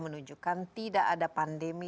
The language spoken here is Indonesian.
menunjukkan tidak ada pandemi